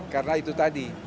karena itu tadi